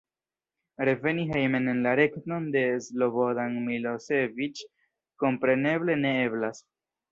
Reveni hejmen en la regnon de Slobodan Miloseviĉ, kompreneble, ne eblas.